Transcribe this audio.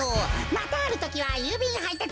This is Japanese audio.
またあるときはゆうびんはいたついん。